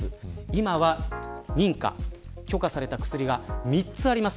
今は許可された薬が３つあります。